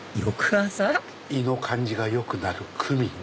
胃の感じが良くなるクミン。